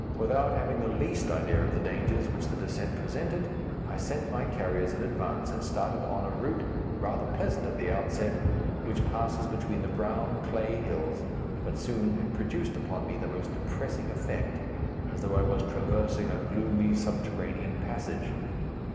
Without having the least idea of the dangers which the descent presented, I sent my carriers in advance and started on a route, rather pleasant at the outset, which passes between the brown clay hills, but soon it produced upon me the most depressing effect, as though I was traversing a gloomy subterranean passage.